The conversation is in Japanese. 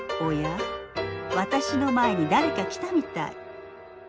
私の前に誰か来たみたい。